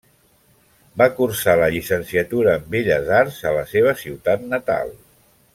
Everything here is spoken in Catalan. Va cursar la llicenciatura en Belles arts a la seva ciutat natal.